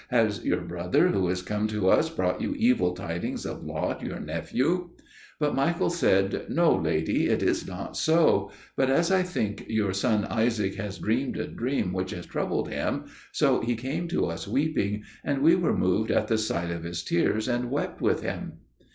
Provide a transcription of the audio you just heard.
Has our brother who is come to us brought you evil tidings of Lot, your nephew?" But Michael said, "No, lady, it is not so; but, as I think, your son Isaac has dreamed a dream which has troubled him, so he came to us weeping, and we were moved at the sight of his tears, and wept with him."